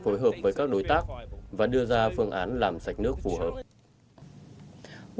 chúng tôi sẽ phối hợp với các đối tác và đưa ra phương án làm sạch nước phù hợp